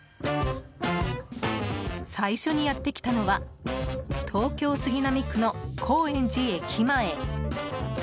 最初にやってきたのは東京・杉並区の高円寺駅前。